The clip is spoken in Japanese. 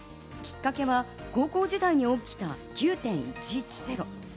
きっかけは高校時代に起きた９．１１テロ。